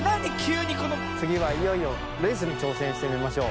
つぎはいよいよレースにちょうせんしてみましょう。